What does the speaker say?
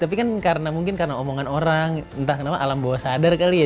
tapi kan mungkin karena omongan orang entah kenapa alam bawah sadar kali ya